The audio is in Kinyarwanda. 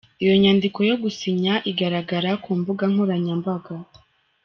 Iyo nyandiko yo gusinya igaragara ku mbuga nkoranya mbaga.